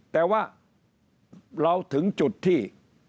แต่ว่าเราถึงจุดที่